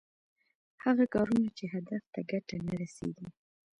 هغه کارونه چې هدف ته ګټه نه رسېږي.